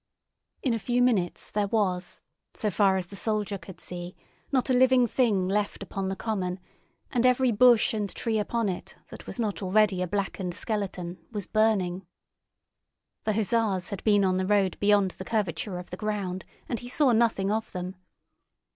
In a few minutes there was, so far as the soldier could see, not a living thing left upon the common, and every bush and tree upon it that was not already a blackened skeleton was burning. The hussars had been on the road beyond the curvature of the ground, and he saw nothing of them.